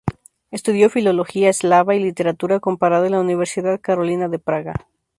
Estudió filología eslava y literatura comparada en la Universidad Carolina de Praga.